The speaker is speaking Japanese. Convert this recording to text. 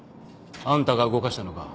あんたが動かしたのか？